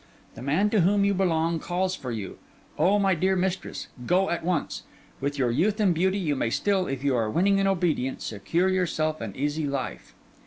The man to whom you belong calls for you; oh, my dear mistress, go at once! With your youth and beauty, you may still, if you are winning and obedient, secure yourself an easy life.